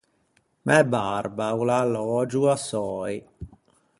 Mæ barba o l’à allögio à Söi.